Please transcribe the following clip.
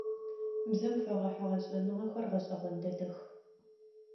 Бзэм фэгъэхьыгъэ шӏэныгъэхэр гъэшӏэгъон дэдэх.